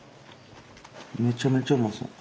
めちゃめちゃうまそう。